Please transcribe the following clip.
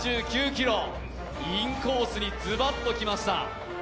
１２９キロ、インコースにズバッときました。